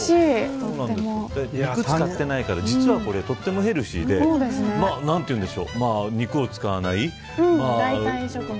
肉を使ってないからとってもヘルシーで肉を使わない。